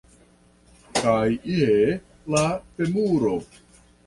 Kaj je la femuro.